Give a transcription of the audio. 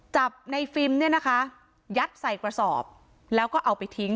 จับในฟิล์มเนี่ยนะคะยัดใส่กระสอบแล้วก็เอาไปทิ้ง